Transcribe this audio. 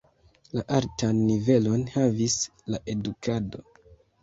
La altan nivelon havis la edukado.